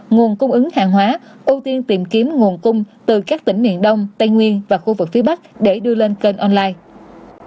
nguồn cung ứng hàng hóa ưu tiên tìm kiếm nguồn cung từ các tỉnh miền đông tây nguyên và khu vực phía bắc để đưa lên kênh online